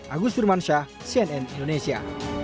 agus durmansyah cnn indonesia